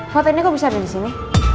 foto ini kok bisa main di sini